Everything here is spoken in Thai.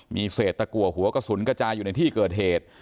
มีเศษตะกัวหัวกระสุนกระจายอยู่ในที่เกิดเหตุ